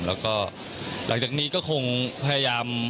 แล้วก็หลังจากนี้ก็คงพยายาม